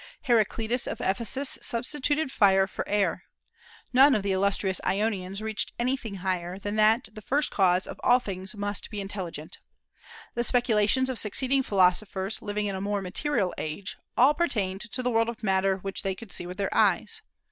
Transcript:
Heraclitus of Ephesus substituted fire for air. None of the illustrious Ionians reached anything higher, than that the first cause of all things must be intelligent. The speculations of succeeding philosophers, living in a more material age, all pertained to the world of matter which they could see with their eyes.